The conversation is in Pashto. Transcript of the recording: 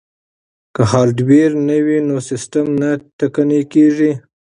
که هارډویر وي نو سیستم نه ټکنی کیږي.